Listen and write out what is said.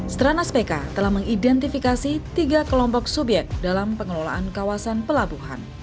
stranas pk telah mengidentifikasi tiga kelompok subyek dalam pengelolaan kawasan pelabuhan